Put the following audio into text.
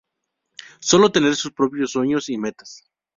Sólo tener sus propios sueños y metas.